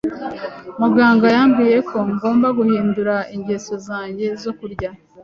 [S] Muganga yambwiye ko ngomba guhindura ingeso zanjye zo kurya.